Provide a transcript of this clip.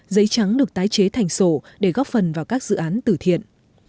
giấy trắng được tái chế thành sổ để góp phần vào các dự án tử thiện